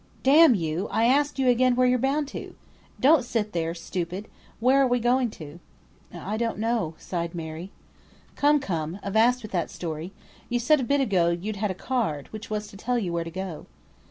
"D you, I ask you again where you're bound to? Don't sit there, stupid. Where are you going to?" "I don't know," sighed Mary. "Come, come; avast with that story. You said a bit ago you'd a card, which was to tell you where to go."